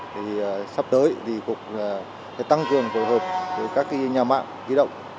thì sắp tới thì cục sẽ tăng cường phối hợp với các cái nhà mạng ghi động